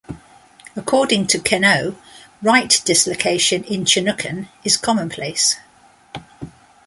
According to Queneau, right dislocation in Chinookan is commonplace.